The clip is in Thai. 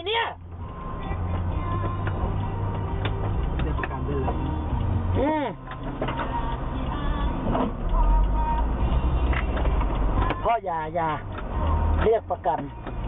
เรียกประกันด้วยเลยพ่ออย่าอย่าเรียกประกัน